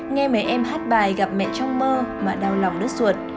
nghe mấy em hát bài gặp mẹ trong mơ mà đau lòng đứt ruột